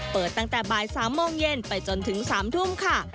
เปิดตั้งแต่บ่าย๓โมงเย็นไปจนถึง๓ทุ่มค่ะ